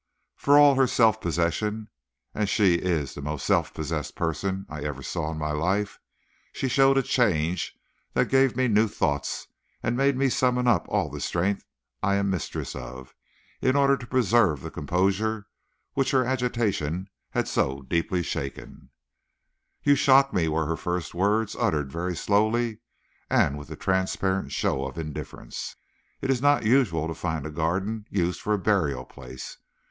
For all her self possession and she is the most self possessed person I ever saw in my life she showed a change that gave me new thoughts and made me summon up all the strength I am mistress of, in order to preserve the composure which her agitation had so deeply shaken. "You shock me," were her first words, uttered very slowly, and with a transparent show of indifference. "It is not usual to find a garden used for a burial place.